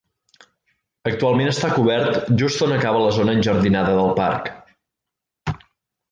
Actualment està cobert just on acaba la zona enjardinada del parc.